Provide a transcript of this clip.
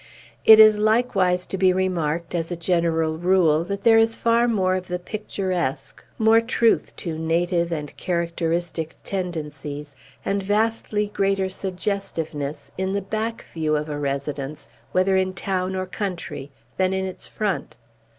It is likewise to be remarked, as a general rule, that there is far more of the picturesque, more truth to native and characteristic tendencies, and vastly greater suggestiveness in the back view of a residence, whether in town or country, than in its front.